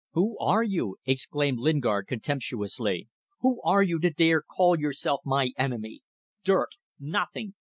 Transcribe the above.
"Who are you," exclaimed Lingard contemptuously "who are you to dare call yourself my enemy! Dirt! Nothing!